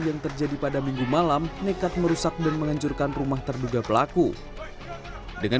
yang terjadi pada minggu malam nekat merusak dan menghancurkan rumah terduga pelaku dengan